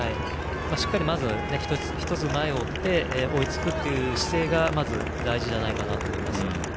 まず、１つ前を追って追いつくという姿勢が大事じゃないかなと思います。